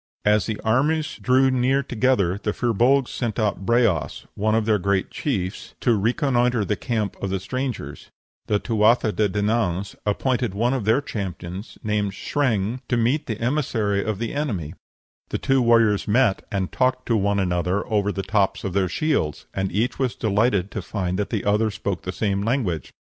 As the armies drew near together the Fir Bolgs sent out Breas, one of their great chiefs, to reconnoitre the camp of the strangers; the Tuatha de Dananns appointed one of their champions, named Sreng, to meet the emissary of the enemy; the two warriors met and talked to one another over the tops of their shields, and each was delighted to find that the other spoke the same language.